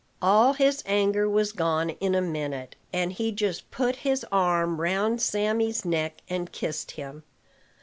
All his anger was gone in a minute, and he just put his arm round Sammy's neck and kissed him.